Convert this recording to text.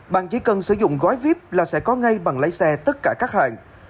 bạn chỉ cần sử dụng gói viếp là sẽ có ngay bằng lái xe tất cả các hạn